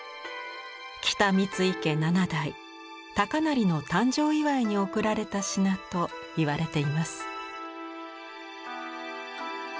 北三井家７代高就の誕生祝いに贈られた品といわれています。